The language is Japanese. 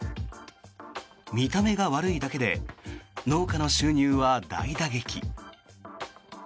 見た目が悪いだけで農家の収入は大打撃。